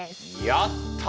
やった！